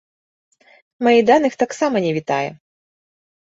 Майдан іх таксама не вітае.